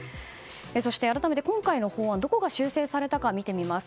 そして、改めて今回の法案どこが修正されたか見てみます。